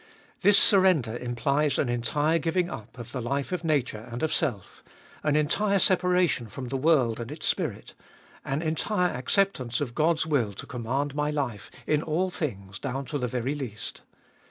This surrender implies an entire giving up of the life of nature and of self; an entire separation from the world and its spirit ; an entire acceptance of God's will to command my life, in all things, down to the very least.